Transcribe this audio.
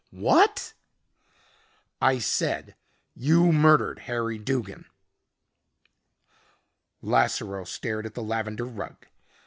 "What?" "I said you murdered Harry Duggin." Lasseroe stared at the lavender rug.